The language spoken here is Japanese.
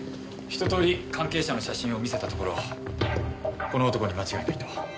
ひととおり関係者の写真を見せたところこの男に間違いないと。